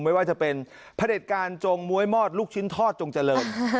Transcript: ไม่ว่าจะเป็นพระเด็จการจงม้วยมอดลูกชิ้นทอดจงเจริญ